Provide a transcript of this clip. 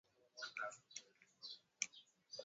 angazo haya ya jioni makutakia njioni njema